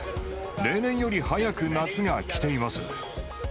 例年より早く夏が来ています。